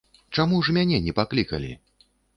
Чаму ж мяне не паклікалі?